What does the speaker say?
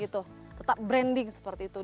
tetap branding seperti itu